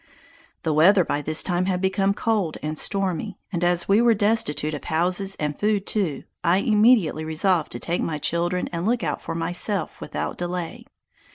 The weather by this time had become cold and stormy; and as we were destitute of houses and food too, I immediately resolved to take my children and look out for myself, without delay.